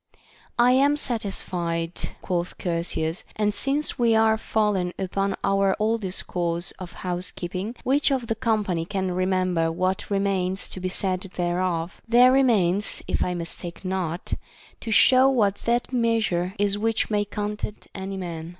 I am satisfied, quoth Chersias, and since we are fall en upon our old discourse of housekeeping, which of the company can remember what remains to be said thereof? There remains, if I mistake not, to show what that meas ure is which may content any man.